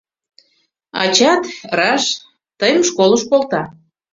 Ачат, раш, тыйым школыш колта.